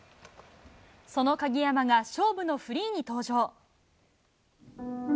その鍵山が、勝負のフリーに登場。